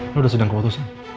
lo udah sedang keputusan